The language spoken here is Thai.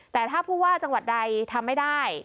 แต่ถ้าผู้ว่าจังหวัดใดทำไม่ได้